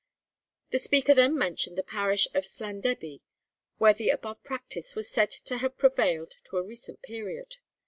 The speaker then mentioned the parish of Llandebie where the above practice 'was said to have prevailed to a recent period.'